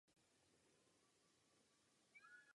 Jiří Neliba.